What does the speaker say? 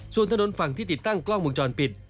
ส่วนถนนฝั่งที่ติดตั้งกล้องวงจรปิด